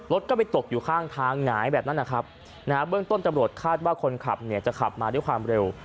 รถก็ไปตกอยู่ข้างทางหงายแบบนั้นนะครับนะฮะเบื้องต้นตำรวจคาดว่าคนขับเนี่ยจะขับมาด้วยความเร็ว